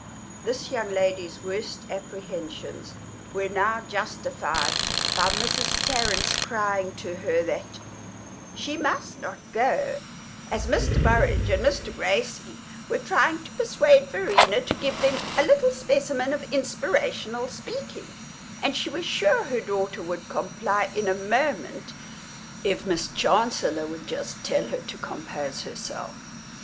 This young lady's worst apprehensions were now justified by Mrs. Tarrant's crying to her that she must not go, as Mr. Burrage and Mr. Gracie were trying to persuade Verena to give them a little specimen of inspirational speaking, and she was sure her daughter would comply in a moment if Miss Chancellor would just tell her to compose herself.